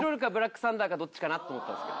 どっちかなって思ったんですけど。